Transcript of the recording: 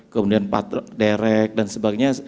kemudian patrok derek dan sebagainya